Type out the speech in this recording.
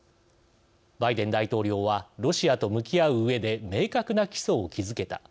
バイデン大統領は「ロシアと向き合ううえで明確な基礎を築けた」